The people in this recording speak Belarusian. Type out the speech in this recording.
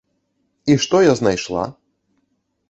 І што я знайшла?